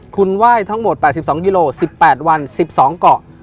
คุณไหว้ทั้งหมด๘๒กิโล๑๘วัน๑๒เกาะ